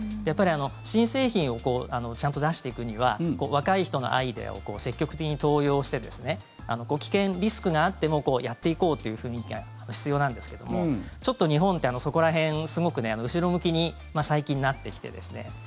やっぱり新製品をちゃんと出していくには若い人のアイデアを積極的に登用して危険、リスクがあってもやっていこうという雰囲気が必要なんですけどもちょっと日本って、そこら辺すごく後ろ向きに最近、なってきてですね。